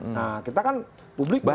nah kita kan publik banyak